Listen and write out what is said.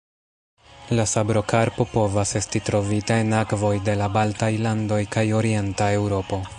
La sabrokarpo povas esti trovita en akvoj de la Baltaj landoj kaj Orienta Eŭropo.